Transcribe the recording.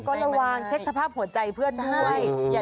ก็ระวังเช็คสภาพหัวใจเพื่อนด้วย